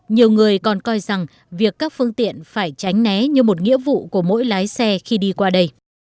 nhiều người còn coi rằng việc các phương tiện phải tránh né như một nghĩa vụ của mỗi lái xe khi đi qua đây